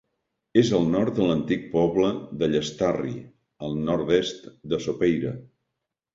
És al nord de l'antic poble de Llastarri, al nord-est de Sopeira.